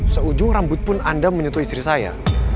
seujung rambut pun anda menyentuh istri saya